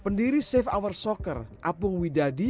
pendiri save our soccer apung widadi